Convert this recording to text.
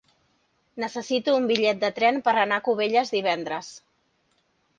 Necessito un bitllet de tren per anar a Cubelles divendres.